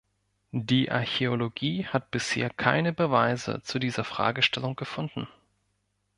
Die Archäologie hat bisher keine Beweise zu dieser Fragestellung gefunden.